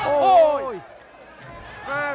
โอ้โห